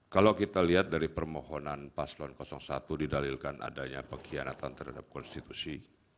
kalau kita lihat dari permohonan paslon satu didalilkan adanya pengkhianatan terhadap konstitusi